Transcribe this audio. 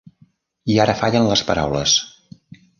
I ara fallen les paraules.